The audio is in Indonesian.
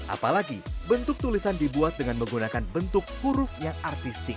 apalagi bentuk tulisan dibuat dengan menggunakan bentuk huruf yang artistik